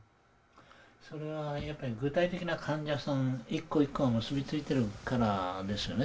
それはやっぱり具体的な患者さん一個一個が結び付いているからですよね